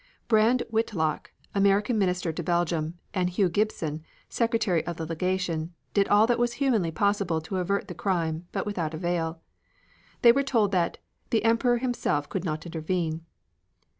Brand Whitlock, American Minister to Belgium, and Hugh Gibson, Secretary of the Legation, did all that was humanly possible to avert the crime, but without avail. They were told that, "the Emperor himself could not intervene."